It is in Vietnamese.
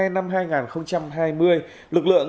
năm hai nghìn hai mươi lực lượng